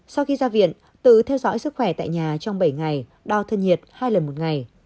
sau khi ra viện tự theo dõi sức khỏe tại nhà trong bảy ngày đo thân nhiệt hai lần một ngày